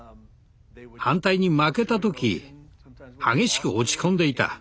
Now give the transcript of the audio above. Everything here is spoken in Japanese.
反対に負けた時激しく落ち込んでいた。